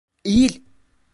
Eğil!